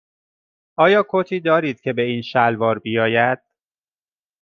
آیا کتی دارید که به این شلوار بیاید؟